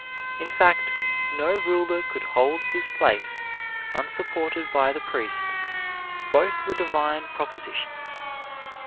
In fact, no ruler could hold his place, unsupported by the priest. Both were divine propositions.